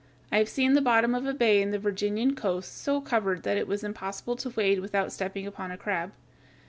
I have seen the bottom of a bay on the Virginian coast so covered that it was impossible to wade without stepping upon a crab.